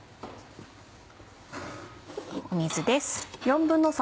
水です。